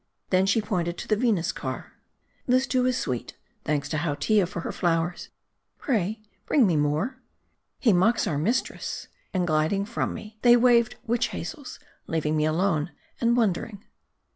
Then she pointed to the Venus car. " This too is sweet ; thanks to Hautia for her flowers. Pray, bring me more." " He mocks our mistress," and gliding from me, they waved witch hazels, leaving me alone and wondering.